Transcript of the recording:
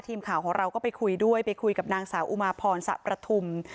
ทีมข่าวของเราก็ไปคุยด้วยไปคุยกับนางสาวอุมาพรสะประทุม